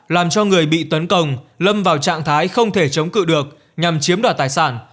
làm cho người bị tấn công lâm vào trạng thái không thể chống cự được nhằm chiếm đoạt tài sản